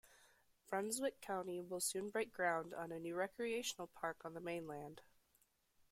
Brunswick County will soon break ground on a new recreational park on the mainland.